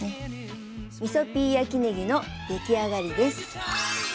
みそピー焼きねぎのできあがりです！